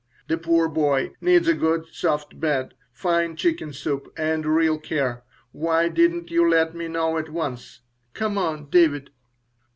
"The poor boy needs a good soft bed, fine chicken soup, and real care. Why didn't you let me know at once? Come on, David!"